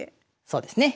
そうですね。